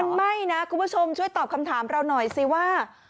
ไม่นะคุณผู้ชมช่วยตอบคำถามเราหน่อยสิว่า